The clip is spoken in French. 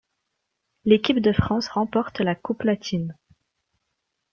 L'équipe de France remporte la Coupe Latine.